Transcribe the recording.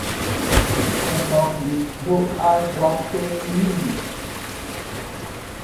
Santópolis do Aguapeí